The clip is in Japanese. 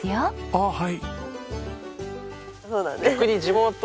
あっはい。